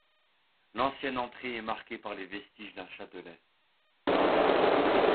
L'ancienne entrée est marquée par les vestiges d'un châtelet.